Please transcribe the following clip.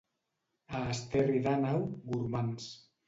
A Esterri d'Àneu, gormands.